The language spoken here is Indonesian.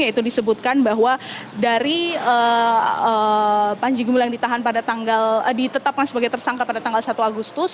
yaitu disebutkan bahwa dari panji gumilang ditetapkan sebagai tersangka pada tanggal satu agustus